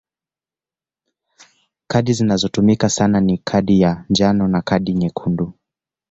Kadi zinazotumika sana ni kadi ya njano na kadi nyekundu.